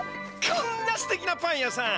こんなすてきなパン屋さん